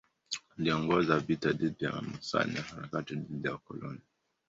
Aliongoza vita dhidi ya Wamasai na harakati dhidi ya wakoloni.